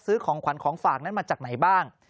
ของขวัญของฝากนั้นมาจากไหนบ้าง